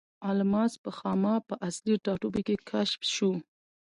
الماس په خاما په اصلي ټاټوبي کې کشف شو.